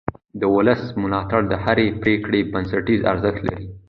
د ولس ملاتړ د هرې پرېکړې بنسټیز ارزښت لري